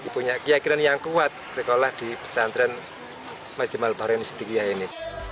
punya keyakinan yang kuat sekolah di pesantren majma'al bahrein sidikiah ini